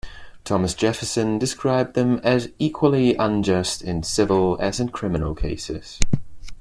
Thomas Jefferson described them as "equally unjust in civil as in criminal cases".